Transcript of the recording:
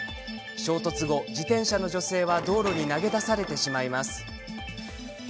衝突後、自転車の女性は道路に投げ出されてしまいます。